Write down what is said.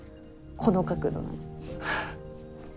この角度の。